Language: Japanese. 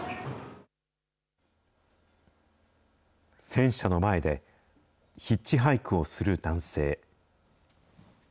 戦車の前でヒッチハイクをする男性。